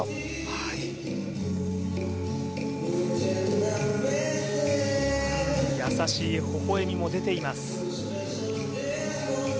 はい優しいほほ笑みも出ています